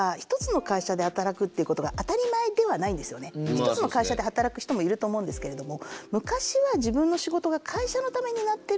１つの会社で働く人もいると思うんですけれども。